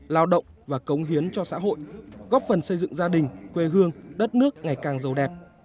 lao động và cống hiến cho xã hội góp phần xây dựng gia đình quê hương đất nước ngày càng giàu đẹp